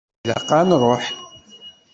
Ilaq ad nruḥ.